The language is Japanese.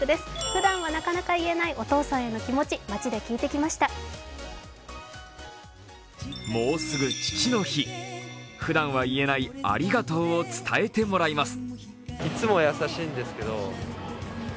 ふだんは、なかなか言えないお父さんへの気持ち、もうすぐ父の日、ふだんは言えないありがとうを伝えてもらいます。